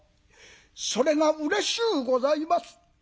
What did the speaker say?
それがうれしゅうございます」。